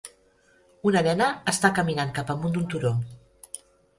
Una nena està caminant cap amunt d'un turó.